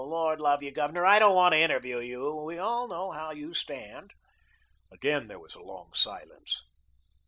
Lord love you, Governor, I don't want to interview you. We all know how you stand." Again there was a long silence.